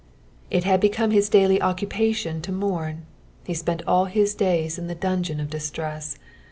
It had become his daily occupation to mourn ; he spent all his days in the dungeon of distress.